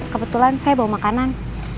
kebetulan saya bawa makanan